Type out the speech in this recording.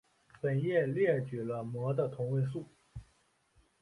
本页列举了镆的同位素。